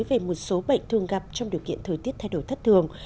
về một số bệnh thường gặp trong điều kiện thời tiết thay đổi thất thường